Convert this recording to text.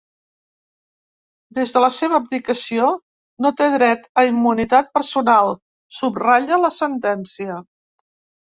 “Des de la seva abdicació, no té dret a immunitat personal”, subratlla la sentència.